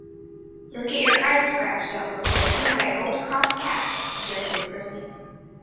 "You'll get your eyes scratched out, most likely, by an old, cross cat," suggested Percy.